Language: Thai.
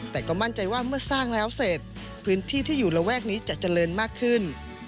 แต่ก็มั่นใจว่าเมื่อสร้างแล้วเสร็จพื้นที่ที่อยู่ระแวกนี้จะเจริญมากขึ้น